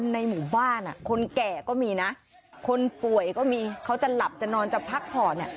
ที่มาที่ไปก็เกิดจากเสียงแอน